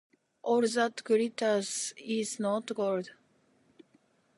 “All that glitters is not gold.”